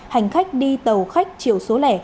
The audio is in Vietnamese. hành khách đi tàu khách chiều số lẻ